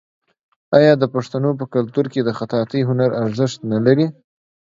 آیا د پښتنو په کلتور کې د خطاطۍ هنر ارزښت نلري؟